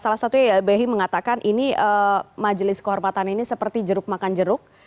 salah satunya ylbhi mengatakan ini majelis kehormatan ini seperti jeruk makan jeruk